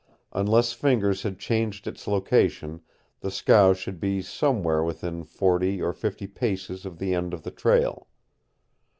Unless Fingers had changed its location, the scow should be somewhere within forty or fifty paces of the end of the trail.